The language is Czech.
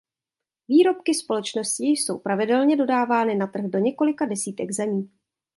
Výrobky společnosti jsou pravidelně dodávány na trhy do několika desítek zemí.